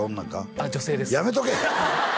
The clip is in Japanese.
あっ女性ですやめとけ！